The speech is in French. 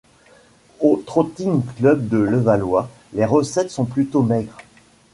Au Trotting Club de Levallois, les recettes sont plutôt maigres.